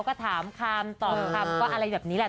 ก็ถามคำตอบคำก็อะไรแบบนี้แหละ